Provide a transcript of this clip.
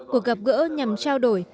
cuộc gặp gỡ nhằm trao đổi